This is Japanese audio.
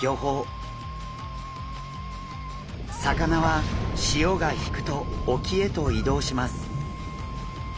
魚は潮が引くと沖へと移動します。